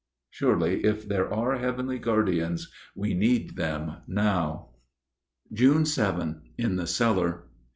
Surely, if there are heavenly guardians, we need them now. June 7. (_In the cellar.